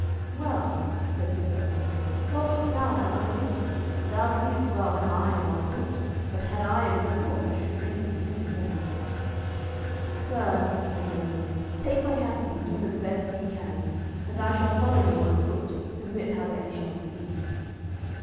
"Well," said Sir Percivale, "what wouldest thou that I did? Thou seest well that I am on foot, but had I a good horse I should bring him soon again." "Sir," said the yeoman, "take my hackney and do the best ye can, and I shall follow you on foot, to wit how that ye shall speed."